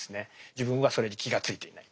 自分はそれに気が付いていない。